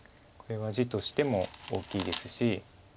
これは地としても大きいですし。